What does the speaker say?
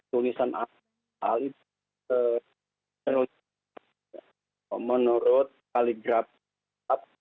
tulisan awal itu menurut kaligrafi